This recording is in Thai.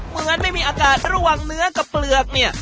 เหมือนไม่มีอากาศระหว่างเนื้อกับเปลือกเนี่ย